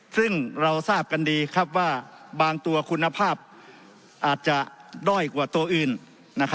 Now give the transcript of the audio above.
ซึ่งเราทราบกันดีว่าบางตัวคุณภาพอาจจะด้อยกว่าตัวอื่น